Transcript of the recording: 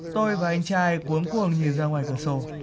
tôi và anh trai cuốn cuồng nhìn ra ngoài cửa sổ